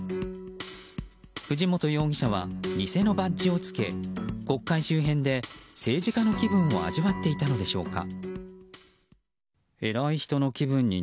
藤本容疑者は偽のバッジをつけ国会周辺で政治家の気分を味わっていたのでしょうか。